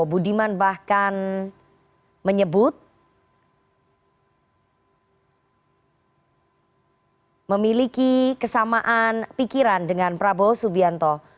budiman bahkan menyebut memiliki kesamaan pikiran dengan prabowo subianto